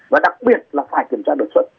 và đặc biệt là phải kiểm tra đột xuất